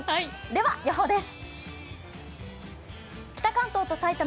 では、予報です。